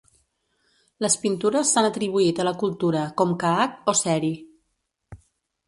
Les pintures s'han atribuït a la cultura Comca'ac o Seri.